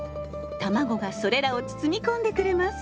卵がそれらを包み込んでくれます。